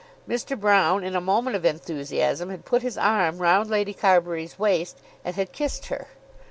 Mr. Broune, in a moment of enthusiasm, had put his arm round Lady Carbury's waist and had kissed her.